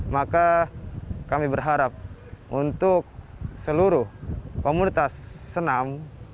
maka kami berharap untuk seluruh komunitas senam